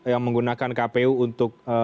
yang menggunakan kpu untuk